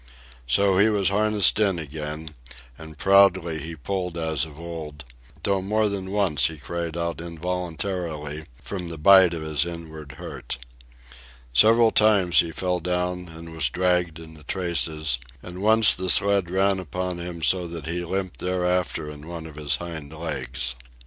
So he was harnessed in again, and proudly he pulled as of old, though more than once he cried out involuntarily from the bite of his inward hurt. Several times he fell down and was dragged in the traces, and once the sled ran upon him so that he limped thereafter in one of his hind legs.